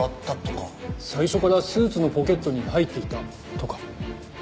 最初からスーツのポケットに入っていたとか。